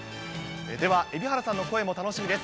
では、蛯原さんの声も楽しみです。